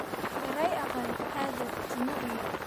— Ярай, ағай, хәҙер, — тине ул.